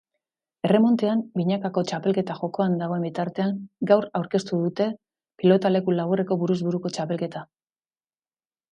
Erremontean binakako txapelketa jokoan dagoen bitartean gaur aurkeztu dute pilotaleku laburreko buruz-buruko txapelketa.